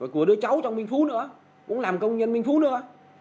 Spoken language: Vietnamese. của đứa cháu trong minh phú nữa cũng làm công nhân minh phú nữa